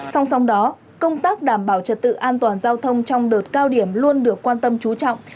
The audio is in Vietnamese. song song đó công tác đảm bảo trật tự an toàn giao thông trong đợt cao điểm luôn được quan tâm chú trọng